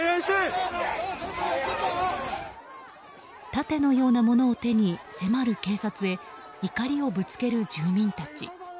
盾のようなものを手に迫る警察へ、怒りをぶつける住民たち。